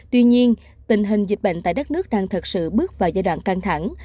tuy nhiên tình hình dịch bệnh tại đất nước đang thật sự bước vào giai đoạn căng thẳng